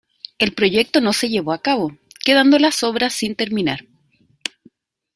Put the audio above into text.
El proyecto no se llevó a cabo, quedando las obras sin terminar.